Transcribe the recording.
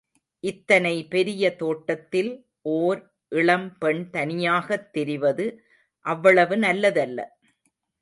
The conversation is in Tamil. இத்தனை பெரிய தோட்டத்தில் ஓர் இளம் பெண் தனியாகத் திரிவது அவ்வளவு நல்லதல்ல.